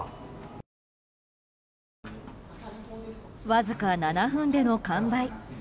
わずか７分での完売。